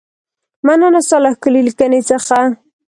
مننه ستا له ښکلې لیکنې څخه.